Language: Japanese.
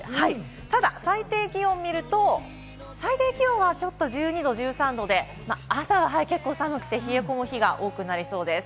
ただ最低気温を見ると、最低気温はちょっと１２度、１３度で朝は結構寒くて、冷え込む日が多くなりそうです。